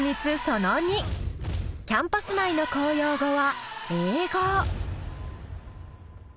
その２キャンパス内の公用語は英語。